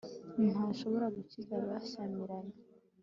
nta shobora gukiza abashyamiranye